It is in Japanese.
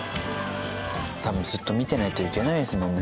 多分ずっと見てないといけないですもんね。